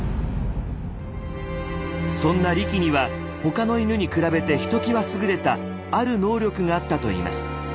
そんなリキには他の犬に比べてひときわ優れた「ある能力」があったといいます。